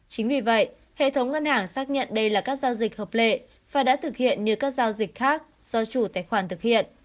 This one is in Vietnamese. chính vì vậy hệ thống ngân hàng xác nhận đây là các giao dịch hợp lệ và đã thực hiện như các giao dịch khác do chủ tài khoản thực hiện